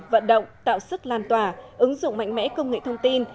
vận động tạo sức lan tỏa ứng dụng mạnh mẽ công nghệ thông tin